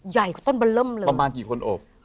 ใหญ่มากประมาณกี่คนโอบ